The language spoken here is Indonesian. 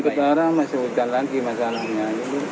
di utara masih hujan lagi masalahnya